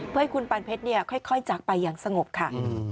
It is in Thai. เพื่อให้คุณปานเพชรค่อยจากไปอย่างสงบค่ะ